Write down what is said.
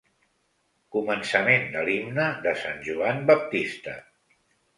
Començament de l'himne de Sant Joan Baptista.